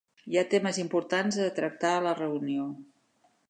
Hi ha temes importants a tractar a la reunió